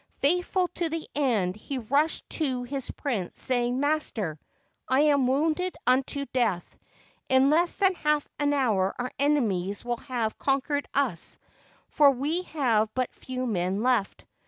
Faithful to the end, he rushed to his prince, saying, ' Master, I am wounded unto death. In less than half an hour our enemies will have conquered us, for we have but few men left.